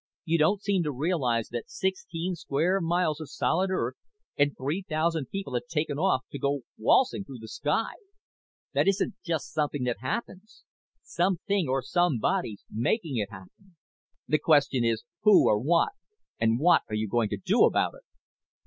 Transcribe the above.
You don't seem to realize that sixteen square miles of solid earth, and three thousand people, have taken off to go waltzing through the sky. That isn't just something that happens. Something or somebody's making it happen. The question is who or what, and what are you going to do about it?"